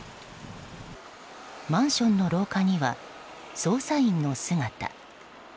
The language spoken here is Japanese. マンションの廊下には捜査員の姿。